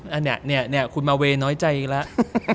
อ๋ออันเนี่ยคุณมาเวน้อยใจอีกแล้ว